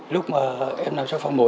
lúc mà em nằm trong phòng mổ